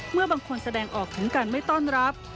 เมื่อบางคนแสดงออกถึงการไม่ต้อนรับ